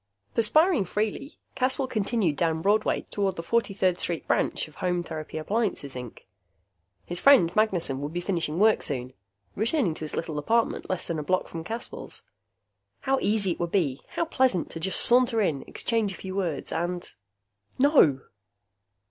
Perspiring freely, Caswell continued down Broadway toward the 43rd Street branch of Home Therapy Appliances, Inc. His friend Magnessen would be finishing work soon, returning to his little apartment less than a block from Caswell's. How easy it would be, how pleasant, to saunter in, exchange a few words and.... No!